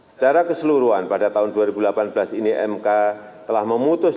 secara keseluruhan pada tahun dua ribu delapan belas ini mk telah memutuskan